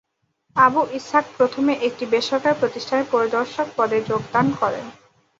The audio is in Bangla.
আবু ইসহাক প্রথমে একটি বেসরকারি প্রতিষ্ঠানে পরিদর্শক পদে যোগদান করেন।